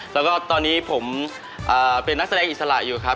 แล้วก็ตอนนี้ผมเป็นนักแสดงอิสระอยู่ครับ